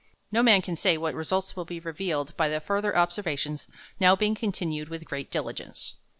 No man can say what results will be revealed by the further observations now being continued with great diligence.